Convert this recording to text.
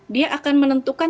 dia akan menentukan